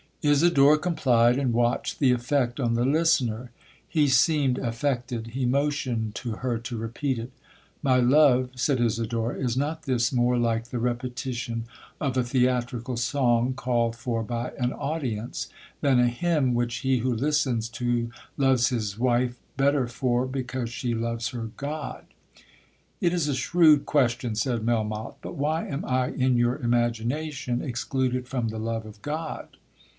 'Isidora complied, and watched the effect on the listener. He seemed affected—he motioned to her to repeat it. 'My love,' said Isidora, 'is not this more like the repetition of a theatrical song called for by an audience, than a hymn which he who listens to loves his wife better for, because she loves her God.'—'It is a shrewd question,' said Melmoth, 'but why am I in your imagination excluded from the love of God?'